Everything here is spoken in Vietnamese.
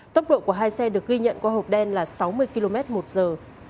tốc độ của hai xe được ghi nhận qua hộp đen là sáu mươi km một giờ